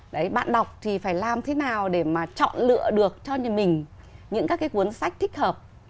đấy bạn đọc thì phải làm thế nào để mà chọn lựa được cho nhà mình những các cái cuốn sách thích hợp